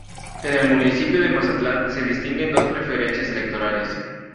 En el municipio de Mazatlán se distinguen dos preferencias electorales.